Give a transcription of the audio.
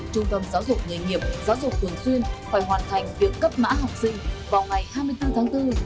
trung tâm giáo dục nghề nghiệp giáo dục thường xuyên phải hoàn thành việc cấp mã học sinh vào ngày hai mươi bốn tháng bốn